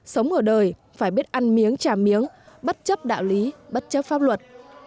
sống ở đời phải biết ăn miếng trả miếng bất chấp đạo lý bất chấp pháp luật